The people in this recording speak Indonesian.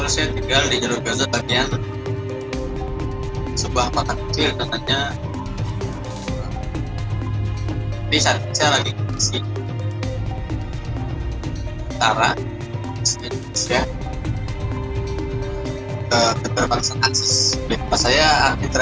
saya tinggal di jawa barat sebuah mata kecil